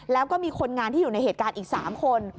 แล้วก็มีคนงานที่อยู่ในเหตุการณ์อีก๓คน